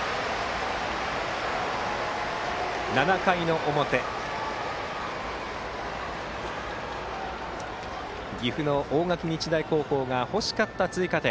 ７回の表、岐阜の大垣日大高校が欲しかった追加点。